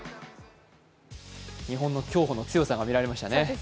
日本の競歩の強さが見られましたね。